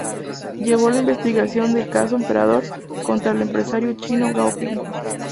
Llevó la investigación del caso Emperador, contra el empresario chino Gao Ping.